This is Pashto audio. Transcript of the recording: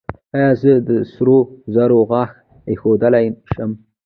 ایا زه د سرو زرو غاښ ایښودلی شم؟